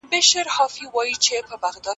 افغانانو د ښار دفاع ښه تنظیم کړه.